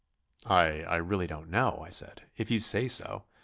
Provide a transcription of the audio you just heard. "I ... I really don't know," I said; "if you say so...."